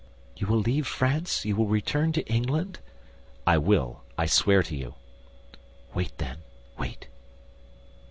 "You will leave France, you will return to England?" "I will, I swear to you." "Wait, then, wait."